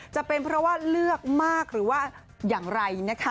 จะเป็นเพราะว่าเลือกมากหรือว่าอย่างไรนะคะ